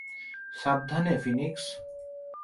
সাবধানে, ফিনিক্স।